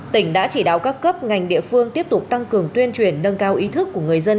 tỉnh đã chỉ đạo các cấp ngành địa phương tiếp tục tăng cường tuyên truyền nâng cao ý thức của người dân